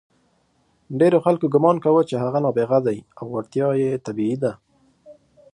ډېرو خلکو ګمان کاوه چې هغه نابغه دی او وړتیا یې طبیعي ده.